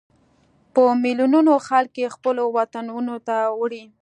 په ملیونونو خلک یې خپلو وطنونو ته وړي.